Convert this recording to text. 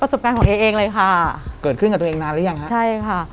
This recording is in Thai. สบการณ์ของเอเองเลยค่ะเกิดขึ้นกับตัวเองนานหรือยังฮะใช่ค่ะ